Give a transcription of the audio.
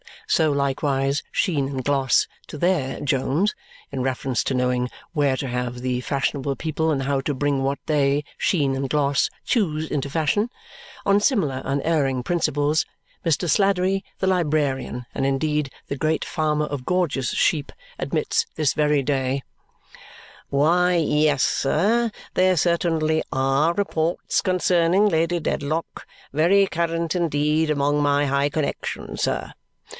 So, likewise, Sheen and Gloss to THEIR Jones, in reference to knowing where to have the fashionable people and how to bring what they (Sheen and Gloss) choose into fashion. On similar unerring principles, Mr. Sladdery the librarian, and indeed the great farmer of gorgeous sheep, admits this very day, "Why yes, sir, there certainly ARE reports concerning Lady Dedlock, very current indeed among my high connexion, sir.